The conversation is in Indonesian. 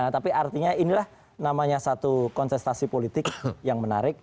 tapi artinya inilah namanya satu kontestasi politik yang menarik